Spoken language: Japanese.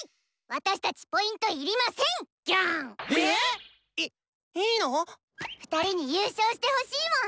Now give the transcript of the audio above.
いっいいの⁉２人に優勝してほしいもん！